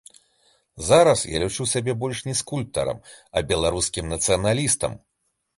Зараз я лічу сябе больш не скульптарам, а беларускім нацыяналістам.